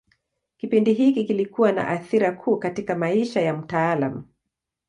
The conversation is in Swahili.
Kipindi hiki kilikuwa na athira kuu katika maisha ya mtaalamu.